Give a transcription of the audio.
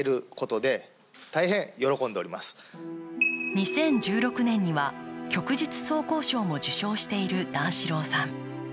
２０１６年には旭日双光章も受章している段四郎さん。